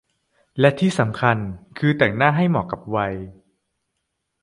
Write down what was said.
แต่ที่สำคัญคือแต่งหน้าให้เหมาะกับวัย